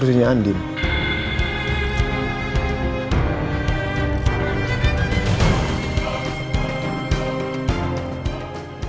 pusatnya hebat banget ya